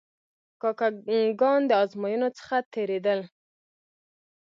کاکه ګان د آزموینو څخه تیرېدل.